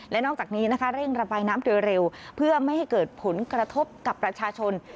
และนอกจากนี้นะคะเร่งระบายน้ำโดยเร็วเพื่อไม่ให้เกิดผลกระทบกับประชาชน